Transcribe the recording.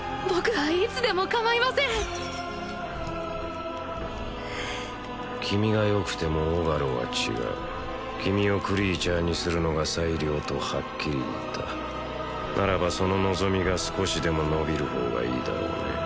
僕はいつでもかまいません君がよくてもオガロは違う君をクリーチャーにするのが最良とはっきり言ったならばその望みが少しでも伸びる方がいいだろうね